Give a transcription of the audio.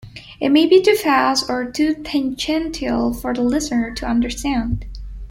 It may be too fast, or too tangential for the listener to understand.